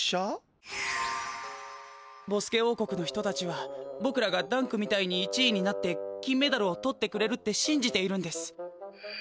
ボスケ王国の人たちはぼくらがダンクみたいに１いになって金メダルを取ってくれるってしんじているんです。